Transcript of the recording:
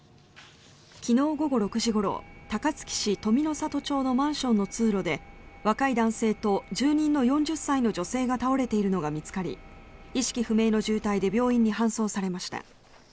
昨日午後６時ごろ高槻市登美の里町のマンションの通路で若い男性と住人の４０歳の女性が倒れているのが見つかり意識不明の重体で病院に搬送されました。